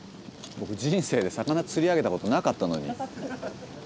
僕人生で魚釣り上げたことなかったのに。